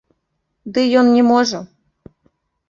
Ды ён не можа.